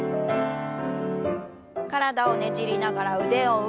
体をねじりながら腕を上。